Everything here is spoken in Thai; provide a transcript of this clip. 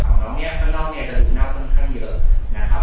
ของน้องเนี้ยข้างนอกเนี้ยจะดูน่าวต่างต่างเยอะนะครับ